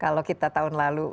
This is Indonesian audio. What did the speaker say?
kalau kita tahun lalu